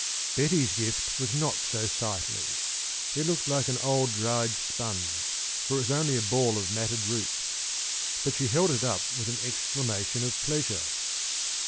Betty's gift was not so sightly. It looked like an old dried sponge, for it was only a ball of matted roots. But she held it up with an exclamation of pleasure.